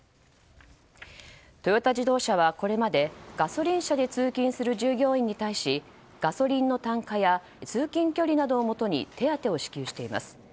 トヨタ自動車はこれまでガソリン車で通勤する従業員に対しガソリンの単価や通勤距離などをもとに手当を支給しています。